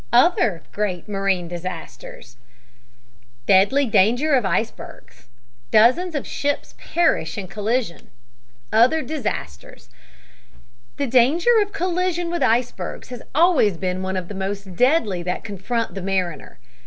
OTHER GREAT MARINE DISASTERS DEADLY DANGER OF ICEBERGS DOZENS OF SHIPS PERISH IN COLLISION OTHER DISASTERS THE danger of collision with icebergs has always been one of the most deadly that confront the mariner.